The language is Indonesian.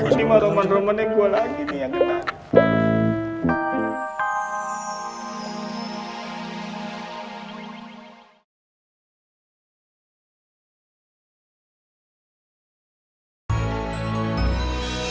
ya ini mah roman romannya gua lagi nih yang kenal